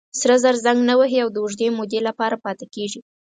سره زر زنګ نه وهي او د اوږدې مودې لپاره پاتې کېږي.